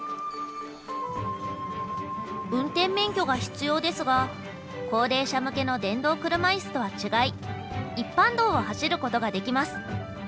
運転免許が必要ですが高齢者向けの電動車いすとは違い一般道を走ることができます。